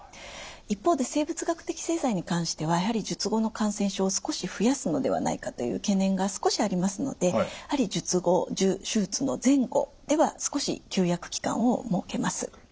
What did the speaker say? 一方で生物学的製剤に関してはやはり術後の感染症を少し増やすのではないかという懸念が少しありますのでやはり手術の前後では少し休薬期間を設けます。